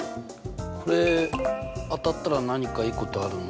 これ当たったら何かいいことあるの？